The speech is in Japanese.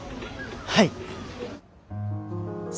はい。